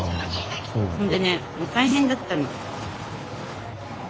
そんでね大変だったの。